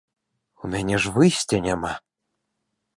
У мяне ж выйсця няма.